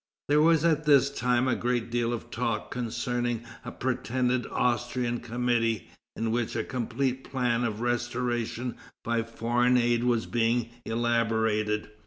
There was at this time a great deal of talk concerning a pretended Austrian committee, in which a complete plan of restoration by foreign aid was being elaborated.